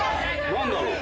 何だろう。